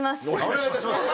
お願いいたします。